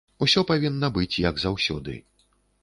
Усё павінна быць, як заўсёды.